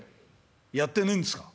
「やってねえんですか？」。